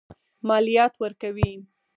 مالیات ورکوي.